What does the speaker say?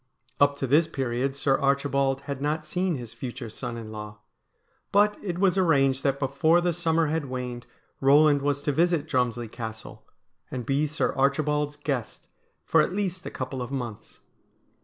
Up to this period Sir Archibald had not seen his future son in law ; but it was arranged that before the summer had waned Eoland was to visit Drumslie Castle, and be Sir Archibald's guest for at least a couple of months.